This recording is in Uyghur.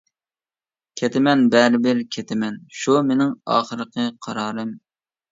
كېتىمەن، بەرىبىر كېتىمەن، شۇ مېنىڭ ئاخىرقى قارارىم.